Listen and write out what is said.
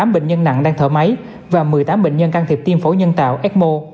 hai bảy trăm năm mươi tám bệnh nhân nặng đang thở máy và một mươi tám bệnh nhân can thiệp tiêm phổ nhân tạo ecmo